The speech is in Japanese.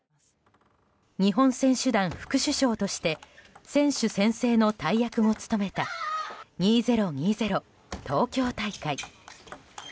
日本選手団副主将として選手宣誓の大役を務めた２０２０東京大会。